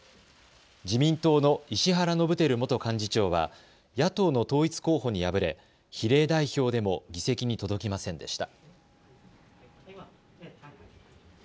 自民党の石原伸晃元幹事長は野党の統一候補に敗れ比例代表でも議席に届きませんでした。